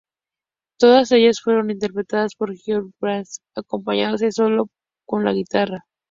Todas ellas fueron interpretadas por Georges Brassens acompañándose sólo con la guitarra.